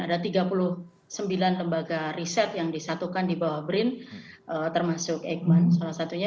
ada tiga puluh sembilan lembaga riset yang disatukan di bawah brin termasuk eijkman salah satunya